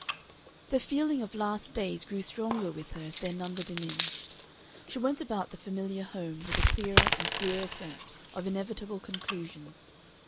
The feeling of last days grew stronger with her as their number diminished. She went about the familiar home with a clearer and clearer sense of inevitable conclusions.